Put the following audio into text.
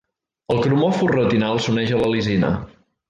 El cromòfor retinal s’uneix a la Lisina.